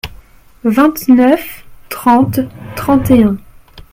vingt-neuf, trente, trente et un.